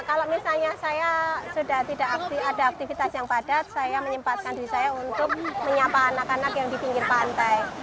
kalau misalnya saya sudah tidak ada aktivitas yang padat saya menyempatkan diri saya untuk menyapa anak anak yang di pinggir pantai